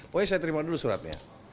pokoknya saya terima dulu suratnya